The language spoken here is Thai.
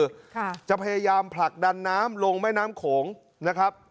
ค่ะจะพยายามผลักดันน้ำลงแม่น้ำโขงนะครับ